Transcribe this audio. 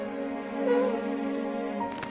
うん